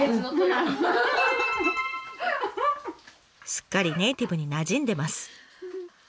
すっかりネイティブになじんでます。